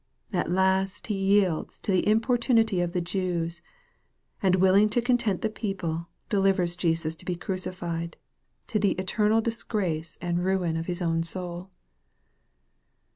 At last he yields to the importunity of the Jews, and " willing to content the people," delivers Jesus to be crucified to the eter nal disgrace and ruin of his own soul.